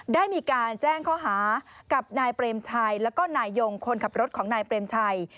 ได้มีการแจ้งข้อหากับนายเปรมชัยแล้วก็นายยงคนขับรถของนายเปรมชัย